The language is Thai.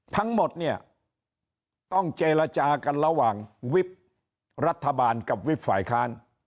ทั้งหมดเนี่ยต้องเจรจากันระหว่างวิบรัฐบาลกับวิบฝ่ายค้าน